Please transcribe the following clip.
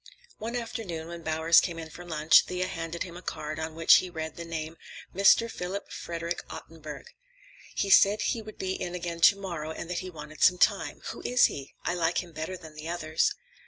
One afternoon when Bowers came in from lunch Thea handed him a card on which he read the name, "Mr. Philip Frederick Ottenburg." "He said he would be in again to morrow and that he wanted some time. Who is he? I like him better than the others."